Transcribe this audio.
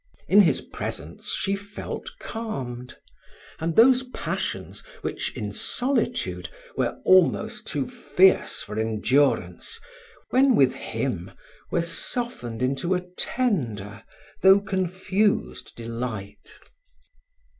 In his presence she felt calmed; and those passions which, in solitude, were almost too fierce for endurance, when with him were softened into a tender though confused delight.